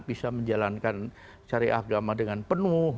bisa menjalankan syariah agama dengan penuh